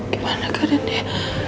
gimana keadaan dia